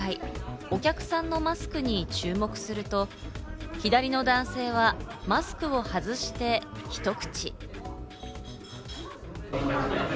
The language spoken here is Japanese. お客さんのマスクに注目すると、左の男性はマスクを外してひと口。